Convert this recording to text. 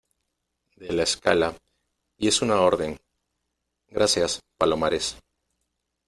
de la escala. y es una orden . gracias, Palomares .